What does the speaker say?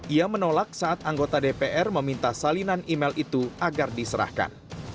ia menolak saat anggota dpr meminta salinan email itu agar diserahkan